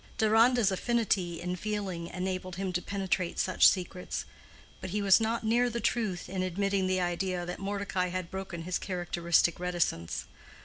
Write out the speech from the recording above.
Deronda's affinity in feeling enabled him to penetrate such secrets. But he was not near the truth in admitting the idea that Mordecai had broken his characteristic reticence.